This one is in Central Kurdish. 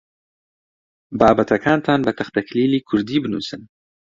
بابەتەکانتان بە تەختەکلیلی کوردی بنووسن.